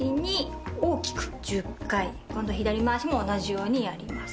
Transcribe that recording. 今度左回しも同じようにやります。